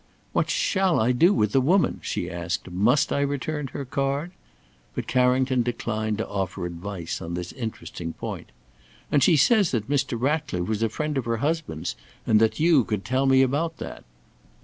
"What shall I do with the woman?" she asked; "must I return her card?" But Carrington declined to offer advice on this interesting point. "And she says that Mr. Ratcliffe was a friend of her husband's and that you could tell me about that."